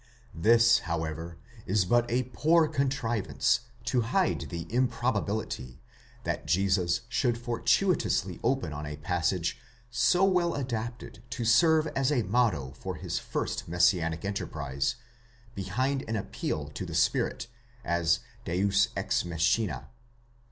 12 This, however, is but a poor con trivance, to hide the improbability, that Jesus should fortuitously open on a passage so well adapted to serve as a motto for his first messianic enterprize, behind an appeal to the Spirit, as deus ex machind.